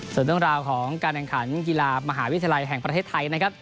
ส่วนเรื่องราวของการแข่งขันกีฬามหาวิทยาลัยแห่งประเทศไทยนะครับ